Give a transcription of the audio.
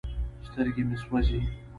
سترګې مې سوزي ـ